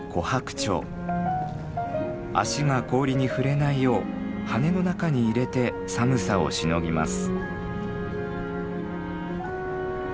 足が氷に触れないよう羽の中に入れて寒さをしのぎます。